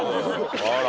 あら。